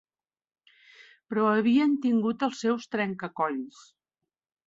Però havien tingut els seus trenca-colls